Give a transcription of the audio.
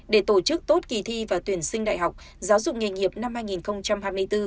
để tổ chức tốt kỳ thi và tuyển sinh đại học giáo dục nghề nghiệp năm hai nghìn hai mươi bốn